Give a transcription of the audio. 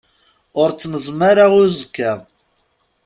Ur ttneẓma ara i uzekka.